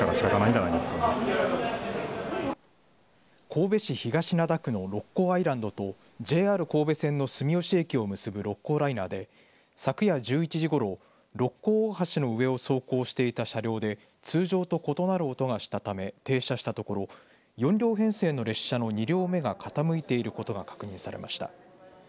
神戸市東灘区の六甲アイランドとＪＲ神戸線の住吉駅を結ぶ六甲ライナーで昨夜１１時ごろ六甲大橋の上を走行していた車両で通常と異なる音がしたため停車したところ４両編成の列車の２両目が傾いていることが確認されました。